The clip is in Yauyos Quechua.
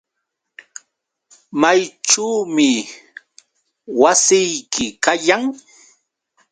¿Mayćhuumi wasiyki kayan?